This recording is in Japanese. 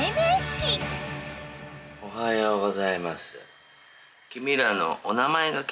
おはようございます。